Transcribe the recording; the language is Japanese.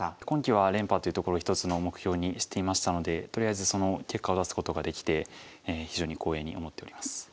今期は連覇というところを一つの目標にしていましたのでとりあえずその結果を出すことができて非常に光栄に思っております。